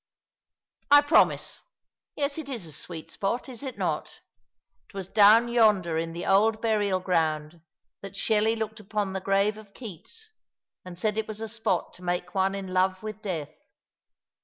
"I promise. Yes, it is a sv/eet spot, is it not? It was down yonder in the old burial ground that Shelley looked upon the grave of Keats, and said it was a spot to make one in love with death.